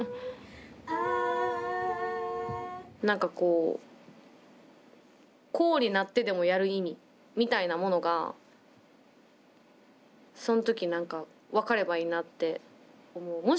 何かこうこうになってでもやる意味みたいなものがその時何か分かればいいなって思う。